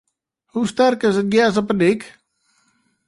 Hoe sterk is it gjers op de dyk?